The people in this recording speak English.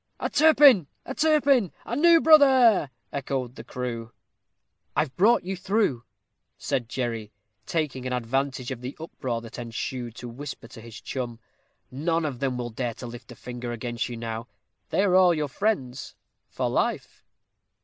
"A Turpin! a Turpin! a new brother!" echoed the crew. "I've brought you through," said Jerry, taking advantage of the uproar that ensued to whisper to his chum; "none of them will dare to lift a finger against you now. They are all your friends for life."